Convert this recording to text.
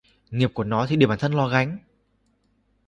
Nghiệp của nó thì bản thân nó gánh